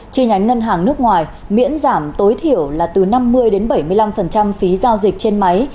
chi nhánh ngân hàng nước ngoài miễn giảm tối thiểu là từ năm mươi bảy mươi năm phí giao dịch trên máy